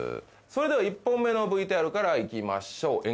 それでは１本目のＶＴＲからいきましょう。